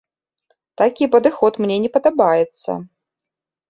Такі падыход мне не падабаецца.